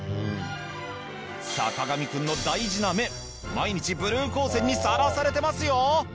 坂上くんの大事な目毎日ブルー光線にさらされてますよ！